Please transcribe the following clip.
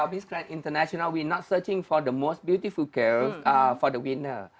oke misalnya amnesty international tidak mencari perempuan yang paling indah untuk pemenangnya